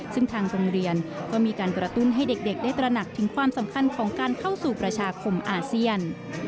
ซึ่งทางโรงเรียนก็มีการกระตุ้นให้เด็กได้ตระหนักถึงความสำคัญของการเข้าสู่ประชาคมอาเซียน